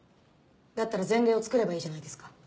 だったら前例を作ればいいじゃないですか。